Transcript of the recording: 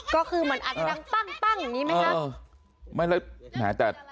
ก็คือมันอาจจะดังปั้งอย่างนี้ไหมคะ